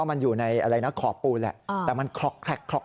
มันอยู่ในขอบปูนแต่มันคล็อกคล็อกคล็อก